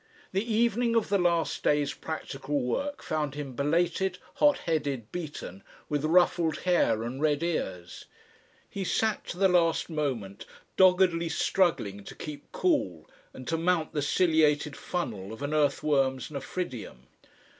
The evening of the last day's practical work found him belated, hot headed, beaten, with ruffled hair and red ears. He sat to the last moment doggedly struggling to keep cool and to mount the ciliated funnel of an earthworm's nephridium.